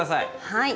はい。